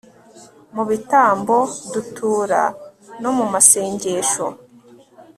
mu bitambo dutura no mu masengesho